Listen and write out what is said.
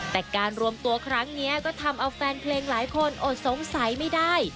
แต่การรวมตัวครั้งนี้ก็ทำเอาแฟนเพลงหลายคนอดสงสัยไม่ได้